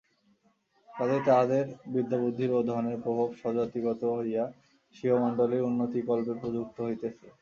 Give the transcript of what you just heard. কাজেই তাহাদের বিদ্যাবুদ্ধির ও ধনের প্রভাব স্বজাতিগত হইয়া স্বীয় মণ্ডলীর উন্নতিকল্পে প্রযুক্ত হইতেছে।